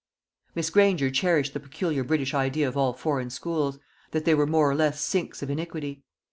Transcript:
Miss Granger cherished the peculiar British idea of all foreign schools, that they were more or less sinks of iniquity.